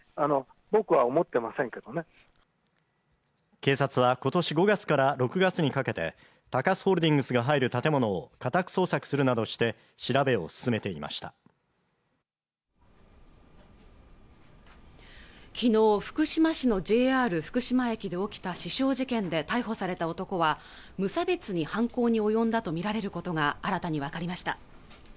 警察はことし５月から６月にかけて高須ホールディングスが入る建物を家宅捜索するなどして調べを進めていました昨日福島市のＪＲ福島駅で起きた刺傷事件で逮捕された男は無差別に犯行に及んだと見られることが新たに分かりました